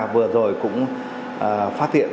vừa rồi cũng phát hiện